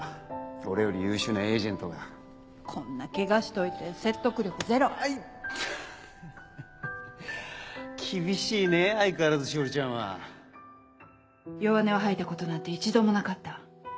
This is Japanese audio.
俺より優秀なエーこんなケガしといて説得力ゼロあ痛った厳しいねぇ相変わらず詩織ちゃんは弱音を吐いたことなんて一度もなかった。